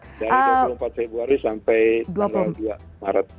dari dua puluh empat februari sampai tanggal dua maret